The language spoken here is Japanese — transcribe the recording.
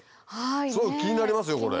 すごく気になりますよこれ。